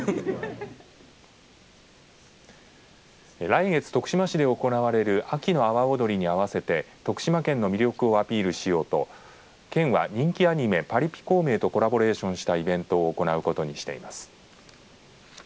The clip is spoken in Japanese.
来月、徳島市で行われる秋の阿波おどりに合わせて徳島県の魅力をアピールしようと県は、人気アニメパリピ孔明とコラボレーションしたイベントを行うことにしています。